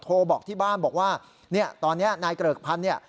โทรบอกที่บ้านบอกว่าตอนนี้นายเกริกพันธ์